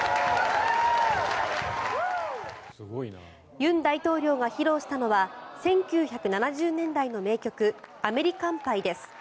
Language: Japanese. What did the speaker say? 尹大統領が披露したのは１９７０年代の名曲「アメリカン・パイ」です。